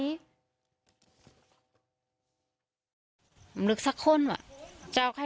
วุ่นไหมคะคุณผู้ชมค่ะ